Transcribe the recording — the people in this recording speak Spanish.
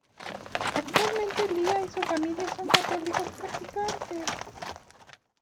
Actualmente Leah y su familia son católicos practicantes.